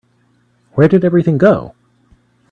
Where did everything go?